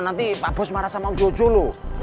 nanti pak bos marah sama om jojo loh